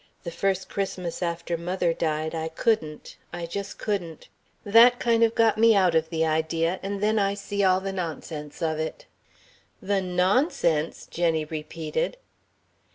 The first Christmas after mother died, I couldn't I just couldn't. That kind of got me out of the idea, and then I see all the nonsense of it." "The nonsense?" Jenny repeated.